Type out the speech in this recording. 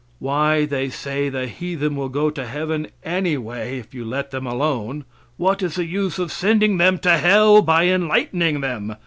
Why, they say, the heathen will go to heaven anyway if you let them alone; what is the use of sending them to hell by enlightening them.